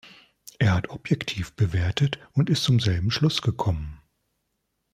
Er hat objektiv bewertet und ist zum selben Schluss gekommen.